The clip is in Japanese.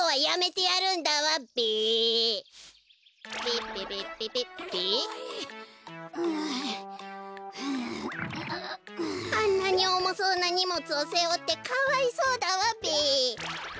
こころのこえあんなにおもそうなにもつをせおってかわいそうだわべ。